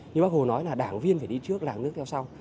như bác hồ nói là đảng viên phải đi trước làm nước theo sau